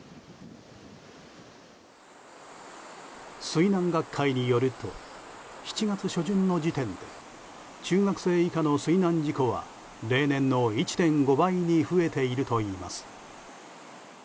水難学会によると７月初旬の時点で中学生以下の水難事故は例年の１．５倍に増えているといいます。